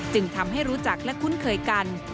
จึงทำให้รู้จักและคุ้นเคยกัน